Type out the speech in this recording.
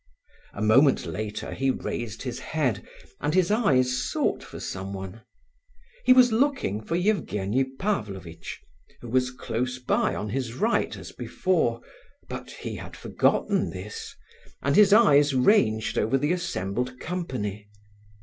A moment later he raised his head, and his eyes sought for someone. He was looking for Evgenie Pavlovitch, who was close by on his right as before, but he had forgotten this, and his eyes ranged over the assembled company.